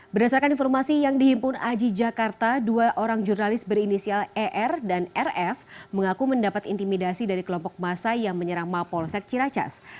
berdasarkan informasi yang dihimpun aji jakarta dua orang jurnalis berinisial er dan rf mengaku mendapat intimidasi dari kelompok massa yang menyerang mapolsek ciracas